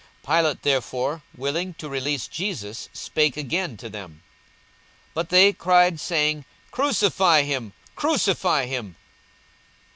42:023:020 Pilate therefore, willing to release Jesus, spake again to them. 42:023:021 But they cried, saying, Crucify him, crucify him.